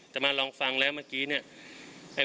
แต่มาลองฟังแล้วเมื่อกี้